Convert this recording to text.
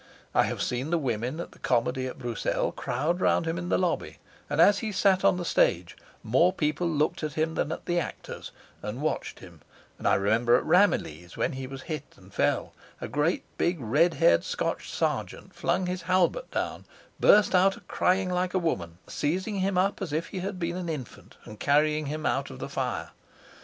I have seen the women at the comedy at Bruxelles crowd round him in the lobby: and as he sat on the stage more people looked at him than at the actors, and watched him; and I remember at Ramillies, when he was hit and fell, a great big red haired Scotch sergeant flung his halbert down, burst out a crying like a woman, seizing him up as if he had been an infant, and carrying him out of the fire.